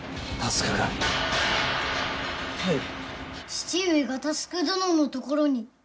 父上が佑どののところに？